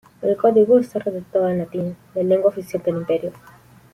El Código está redactado en latín, la lengua oficial del Imperio.